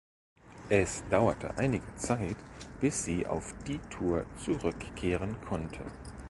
Es dauerte einige Zeit, bis sie auf die Tour zurückkehren konnte.